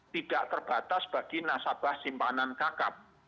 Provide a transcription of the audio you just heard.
tidak terbatas bagi nasabah simpanan kakap